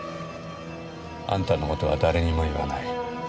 あんたの事は誰にも言わない。